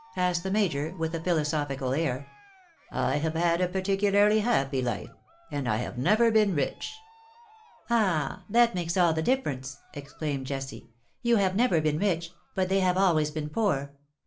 ^^ asked the I\Iajoi% with a philo sophical air ;^' I have had a particularly happy life, and I have never been rich.^' ^' Ahj that makes all the difference V exclaimed Jessie. " You have never been rich, but they have always been poor.